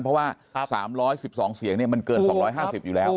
เพราะว่า๓๑๒เสียงมันเกิน๒๕๐อยู่แล้ว